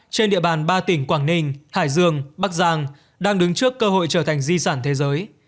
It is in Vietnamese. trên địa bàn ba tỉnh quảng ninh hải dương bắc giang đang đứng trước cơ hội trở thành di sản thế giới